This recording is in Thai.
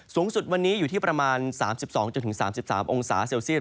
สูงสุดวันนี้อยู่ที่ประมาณ๓๒๓๓องศาเซลเซียต